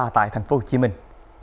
tại thành phố hồ chí minh